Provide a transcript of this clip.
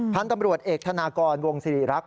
พันธุ์ตำรวจเอกธนากรวงศิริรักษ